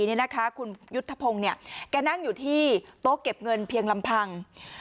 เนี่ยนะคะคุณยุธพงศ์เนี่ยกำนั่งอยู่ที่โต๊ะเก็บเงินเพียงลำพัง